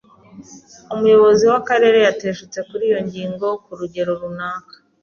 Umuyobozi w'akarere yateshutse kuri iyo ngingo ku rugero runaka.